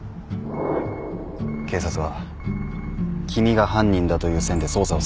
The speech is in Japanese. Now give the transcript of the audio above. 警察は君が犯人だという線で捜査を進めている。